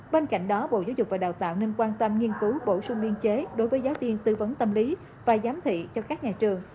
bên cạnh đó bộ giáo dục và đào tạo nên quan tâm nghiên cứu bổ sung biên chế đối với giáo viên tư vấn tâm lý và giám thị cho các nhà trường